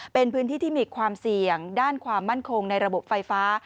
เป็นพื้นที่ที่มีความเสี่ยงด้านความมั่นคงในระบบไฟฟ้า